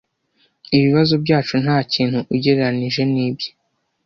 Ibibazo byacu ntakintu ugereranije nibye.